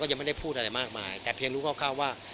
ยังไม่ได้พูดอะไรมากมายแต่เพียงรู้คร่าวว่า